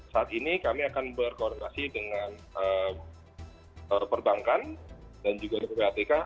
saat ini kami akan berkoordinasi dengan perbankan dan juga ppatk